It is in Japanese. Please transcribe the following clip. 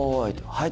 はい」